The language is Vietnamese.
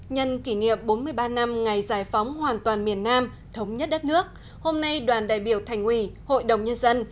nhân kỷ niệm bốn mươi ba năm ngày giải phóng hoàn toàn miền nam thống nhất đất nước hôm nay đoàn đại biểu thành ủy hội đồng nhân dân